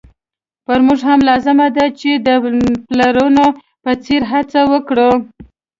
پر موږ هم لازمه ده چې د پلرونو په څېر هڅه وکړو.